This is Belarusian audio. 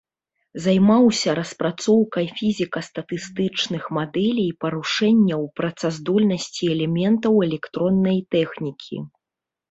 Займаўся распрацоўкай фізіка-статыстычных мадэлей парушэнняў працаздольнасці элементаў электроннай тэхнікі.